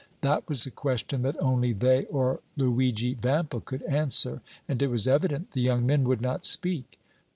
That was a question that only they or Luigi Vampa could answer, and it was evident the young men would not speak.